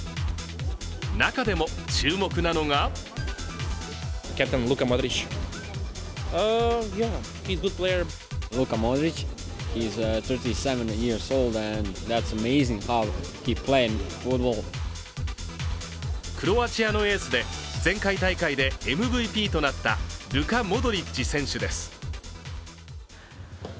中でも注目なのがクロアチアのエースで前回大会でＭＶＰとなったルカ・モドリッチ選手です。